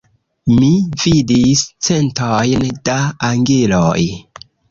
Mi vidis centojn da angiloj.